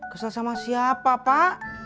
kesel sama siapa pak